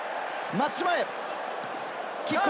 松島へ。